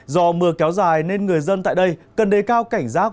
do mưa kéo dài nên người dân tại đây cần đề cao cảnh giác